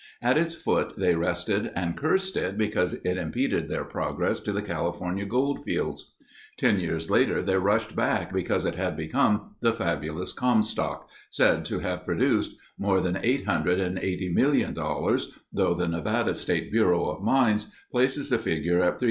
At its foot they rested and cursed it because it impeded their progress to the California goldfields. Ten years later they rushed back because it had become the fabulous Comstock, said to have produced more than $880,000,000, though the Nevada State bureau of mines places the figure at $347,892,336.